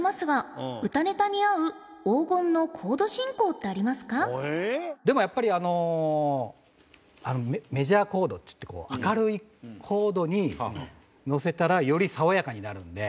はい続いてはでもやっぱりあのメジャーコードっつってこう明るいコードにのせたらより爽やかになるんで。